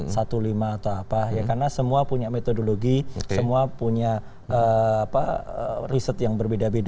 satu lima atau apa ya karena semua punya metodologi semua punya riset yang berbeda beda